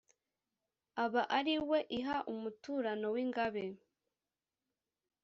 aba ari we iha umuturano w' ingabe